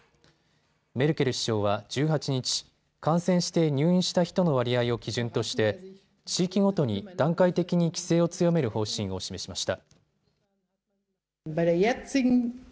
メルケル首相は１８日、感染して入院した人の割合を基準として地域ごとに段階的に規制を強める方針を示しました。